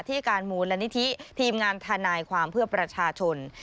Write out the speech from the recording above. ที่การมูลนิธิทีมงานทนายความเพื่อประชาชน